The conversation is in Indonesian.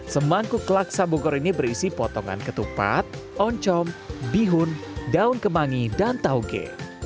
semangkuk laksa bogor ini berisi potongan ketupat oncom bihun daun kemangi dan tauge